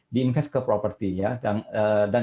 diinvestasi ke perusahaan